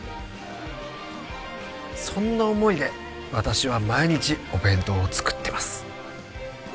「そんな想いで私は毎日お弁当を作ってます」